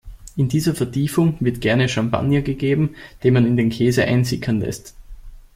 In diese Vertiefung wird gerne Champagner gegeben, den man in den Käse einsickern lässt.